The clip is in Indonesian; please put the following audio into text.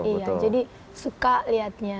iya jadi suka liatnya